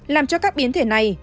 làm cho các biến thể này